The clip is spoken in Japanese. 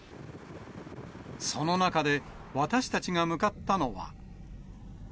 その中で、私たちが向かったのは。